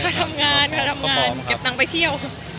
เวลารับงานคู่อย่างเนี่ย